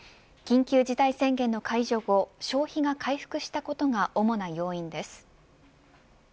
緊急事態宣言の解除後消費が回復したことが主な要因です。